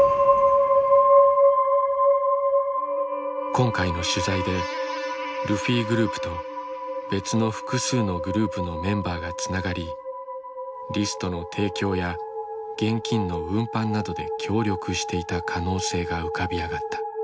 今回の取材でルフィグループと別の複数のグループのメンバーがつながりリストの提供や現金の運搬などで協力していた可能性が浮かび上がった。